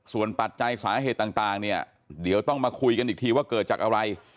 ส่วนปัจจัยสาเหตุต่างเนี่ยเดี๋ยวต้องมาคุยกันอีกทีว่าเกิดจากอะไร